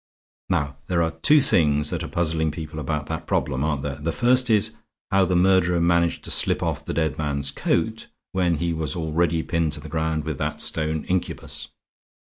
Now there are two things that are puzzling people about that problem, aren't there? The first is how the murderer managed to slip off the dead man's coat, when he was already pinned to the ground with that stone incubus.